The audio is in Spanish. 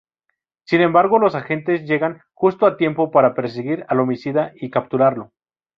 Sin embargo los agentes llegan justo a tiempo para perseguir al homicida y capturarlo.